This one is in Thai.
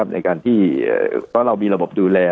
ในการที่ไม่มีระบบดูแล